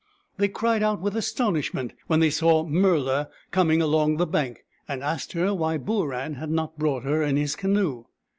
They cried out with astonishment when they saw Murla coming along the bank, and asked her why Booran had not brought her in his canoe.